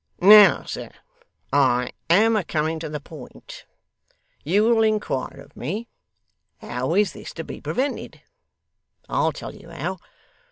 'Now, sir, I am a coming to the point. You will inquire of me, "how is this to be prevented?" I'll tell you how.